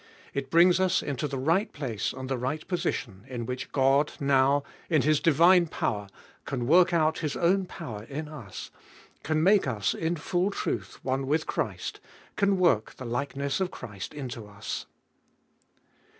It brings us into the right place and the right position, in which God now, in His divine power, can work out His own power in us, can make us in full truth one with Christ, can work the likeness of Christ into us.